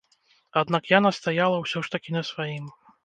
Аднак я настаяла ўсё ж такі на сваім.